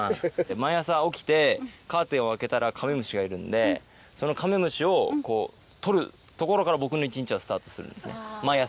毎朝、起きて、カーテンを開けたら、カメムシがいるんで、そのカメムシを取るところから、僕の一日がスタートするんですね、毎朝。